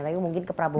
tapi mungkin ke prabowo